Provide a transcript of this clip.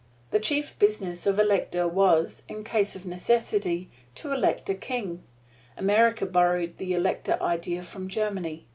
The chief business of elector was, in case of necessity, to elect a King. America borrowed the elector idea from Germany.